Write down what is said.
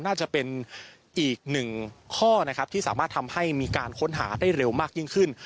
น่าจะเป็นอีกหนึ่งข้อนะครับที่สามารถทำให้มีการค้นหาได้เร็วมากยิ่งขึ้น